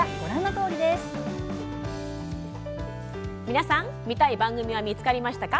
皆さん、見たい番組は見つかりましたか？